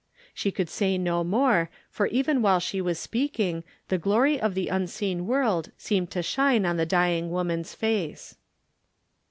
She could say no more for even while she was speaking the Glory of the unseen world seemed to shine on the dying woman's face.